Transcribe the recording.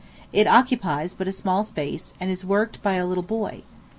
It occupies but a small space, and is worked by a little boy.